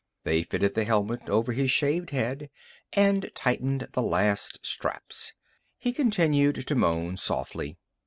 They fitted the helmet over his shaved head and tightened the last straps. He continued to moan softly.